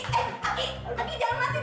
cepet lagi iki